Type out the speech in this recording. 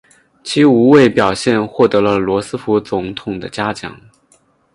其无畏表现获得了罗斯福总统的嘉奖。